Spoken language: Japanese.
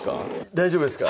大丈夫ですか？